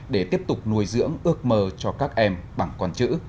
để tiếp tục nuôi dưỡng ước mơ cho các em bằng con chữ